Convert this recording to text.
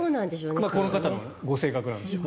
この方のご性格なんでしょう。